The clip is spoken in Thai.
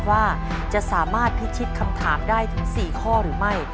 ว่าจะสามารถพิชิตคำถามได้ถึง๔ข้อหรือไม่